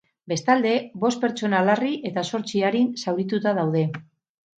Bestalde, bost pertsona larri eta zortzi arin zaurituta daude.